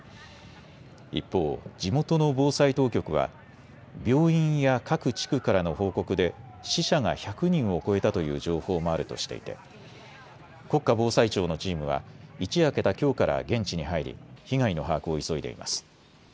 一方、地元の防災当局は病院や各地区からの報告で死者が１００人を超えたという情報もあるとしていて国家防災庁のチームは一夜明けたきょうから現地に入り被害の把握を急いでいます。